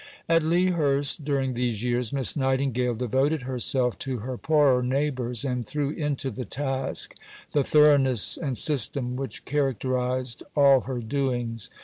At Lea Hurst, during these years, Miss Nightingale devoted herself to her poorer neighbours, and threw into the task the thoroughness and system which characterized all her doings.